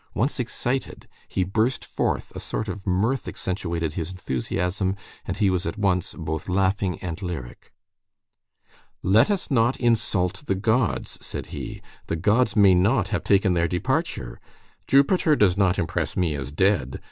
Once excited, he burst forth, a sort of mirth accentuated his enthusiasm, and he was at once both laughing and lyric. "Let us not insult the gods," said he. "The gods may not have taken their departure. Jupiter does not impress me as dead.